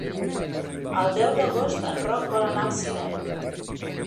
El deu d'agost en Roc vol anar al cinema.